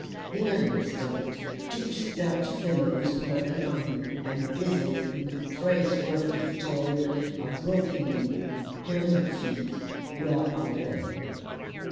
In an instant, two stout fellows were upon me, and busy in the praiseworthy toil of roping me, hands and feet, where I lay.